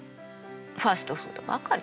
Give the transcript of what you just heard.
ファストフードばかり。